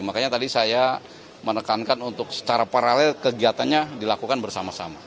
makanya tadi saya menekankan untuk secara paralel kegiatannya dilakukan bersama sama